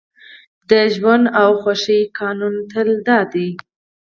د ژوند او خوښۍ قانون تل دا دی